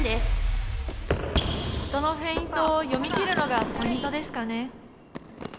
音のフェイントを読み切るのがポイントですかね。